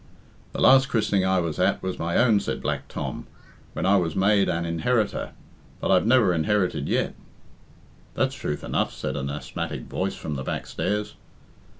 "The last christening I was at was my own," said Black Tom, "when I was made an in inheriter, but I've never inherited yet." "That's truth enough," said an asthmatic voice from the backstairs.